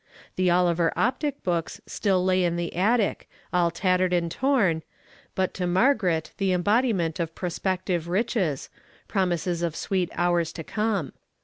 The Oliver Optic books still lay in the attic, all tattered and torn, but to Margaret the embodiment of prospective riches, promises of sweet hours to come.